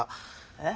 えっ？